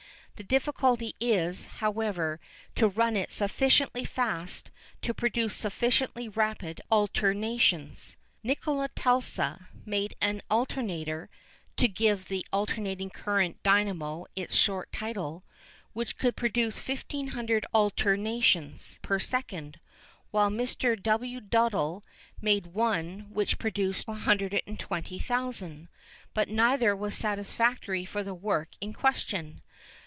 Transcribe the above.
The difficulty is, however, to run it sufficiently fast to produce sufficiently rapid alternations. Nicola Tesla made an alternator (to give the alternating current dynamo its short title) which could produce 1500 alternations per second, while Mr W. Duddell made one which produced 120,000, but neither was satisfactory for the work in question.